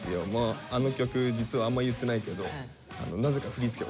あの曲実はあんま言ってないけどなぜかえ！